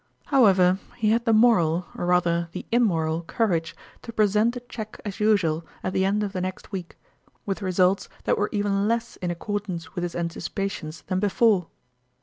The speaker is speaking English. However, he had the moral, or rather the immoral, courage to present a check as usual at the end of the next week, with results that were even less in accordance with his anticipa tions than before.